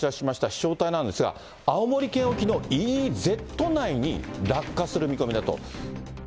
飛しょう体なんですが、青森県沖のＥＥＺ内に落下する見込みだと。